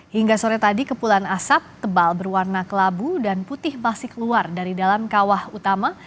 hingga sore tadi kepulan asap tebal berwarna kelabu dan putih masih keluar dari dalam kawah utama